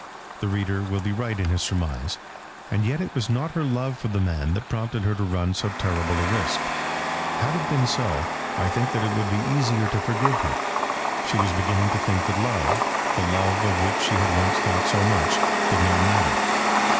The reader will be right in his surmise. And yet it was not her love for the man that prompted her to run so terrible a risk. Had it been so, I think that it would be easier to forgive her. She was beginning to think that love, the love of which she had once thought so much, did not matter.